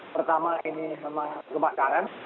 pertama ini memang kebakaran